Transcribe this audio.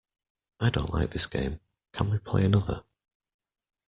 I don't like this game, can we play another?